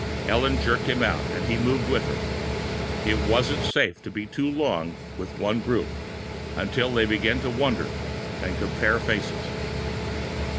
Ellen jerked him out, and he moved with her. It wasn't safe to be too long with one group, until they began to wonder and compare faces!